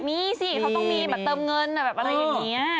มีสิเขาต้องมีแบบเติมเงินแบบอะไรอย่างนี้